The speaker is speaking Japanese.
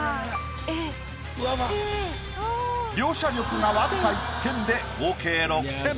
描写力が僅か１点で合計６点。